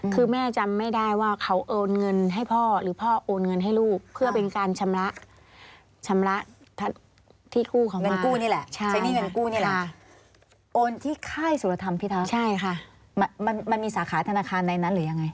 ค่ายสุรธรรมพิทักษ์มันมีสาขาธนาคารในนั้นหรือยังไง